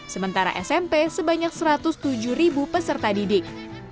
sementara smp sebanyak satu ratus tujuh peserta didik